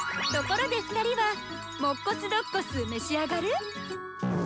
ところで２人はもっこすどっこす召し上がる？